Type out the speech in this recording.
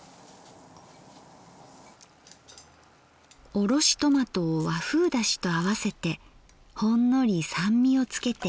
おろしトマトを和風だしと合わせてほんのり酸味をつけて。